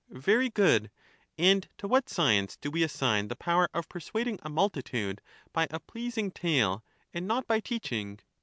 Very good; and to what science do we assign the power of persuading a multitude by a pleasing tale and not by teaching